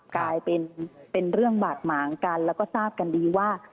กลายเป็นเป็นเรื่องบาดหมางกันแล้วก็ทราบกันดีว่า